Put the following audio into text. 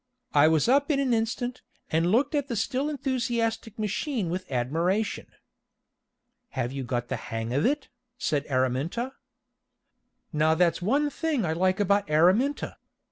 I was up in an instant, and looked at the still enthusiastic machine with admiration. "Have you got the hang of it?" said Araminta. Now that's one thing I like about Araminta.